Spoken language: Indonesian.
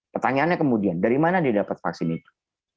pertanyaannya kemudian dari mana didapat vaksin itu